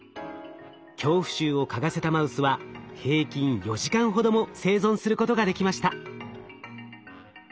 恐怖臭を嗅がせたマウスは平均４時間ほども生存することができました。